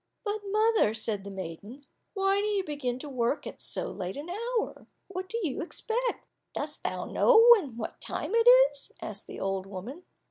"But, mother," said the maiden, "why do you begin work at so late an hour? What do you expect?" "Dost thou know then what time it is?" asked the old woman.